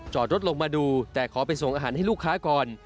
จอดรถลงมาดูแต่ขอไปส่งอาหารให้ลูกค้าก่อน